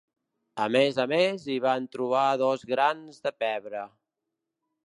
A més a més, hi van trobar dos grans de pebre.